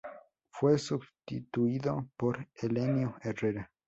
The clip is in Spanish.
Fue substituido por Helenio Herrera.